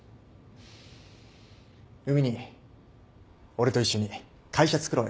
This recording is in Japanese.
海兄俺と一緒に会社つくろうよ。